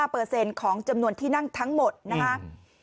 ๒๕เปอร์เซ็นต์ของจำนวนที่นั่งทั้งหมดนะครับ